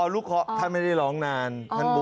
ลุกคอทำให้ได้ร้องนาน